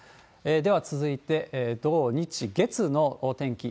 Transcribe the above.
では続いて、土、日、月の天気。